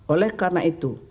oleh karena itu